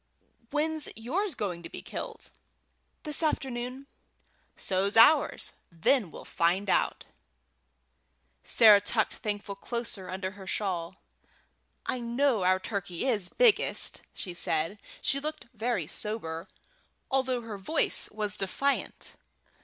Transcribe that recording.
"When's yours going to be killed?" "This afternoon." "So's ours. Then we'll find out." Sarah tucked Thankful closer under her shawl. "I know our turkey is biggest," said she. She looked very sober, although her voice was defiant.